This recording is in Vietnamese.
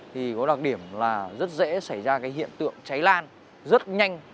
thì có đặc điểm là rất dễ xảy ra cái hiện tượng cháy lan rất nhanh